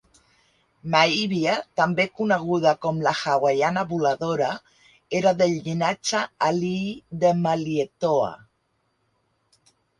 Maivia, també coneguda com la Hawaiana voladora, era del llinatge Alii de Malietoa.